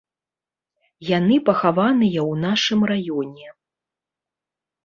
Яны пахаваныя ў нашым раёне.